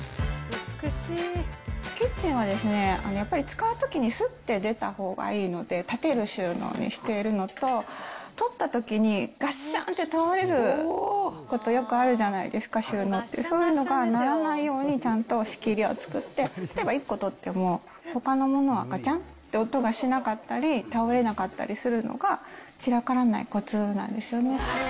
キッチンはですね、やっぱり使うときにすって出たほうがいいので、立てる収納にしているのと、取ったときにがっしゃーんって倒れることよくあるじゃないですか、収納って、そういうのがならないように、ちゃんと仕切りを作って、例えば１個取っても、ほかのものはがちゃんって音がしなかったり、倒れなかったりするのが散らからないこつなんですよね。